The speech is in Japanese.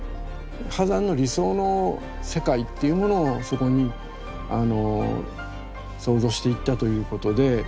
波山の理想の世界っていうものをそこに創造していったということで。